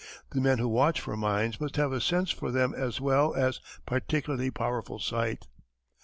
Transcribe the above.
The men who watch for mines must have a sense for them as well as particularly powerful sight.